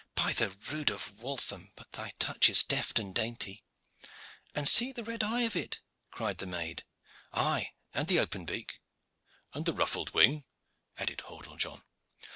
By the rood of Waltham! but thy touch is deft and dainty." "And see the red eye of it!" cried the maid. "Aye, and the open beak." "And the ruffled wing," added Hordle John.